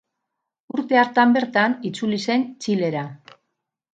Urte hartan bertan itzuli zen Txilera.